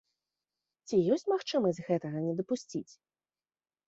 Ці ёсць магчымасць гэтага не дапусціць?